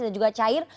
dan juga cair